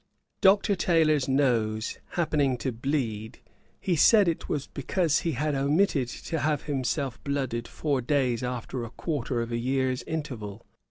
Dr. Taylor's nose happening to bleed, he said, it was because he had omitted to have himself blooded four days after a quarter of a year's interval.